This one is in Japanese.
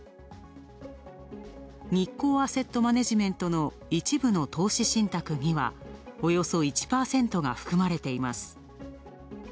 日興アセットマネジメントの一部の投資信託にはおよそ１％が含まれています。